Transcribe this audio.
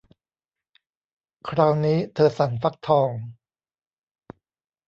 คราวนี้เธอสั่นฟักทอง